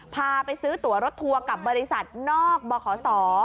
พาไปซื้อตัวรถทัวร์กับบริษัทนอกบขศ